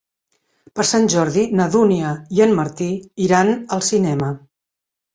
Per Sant Jordi na Dúnia i en Martí iran al cinema.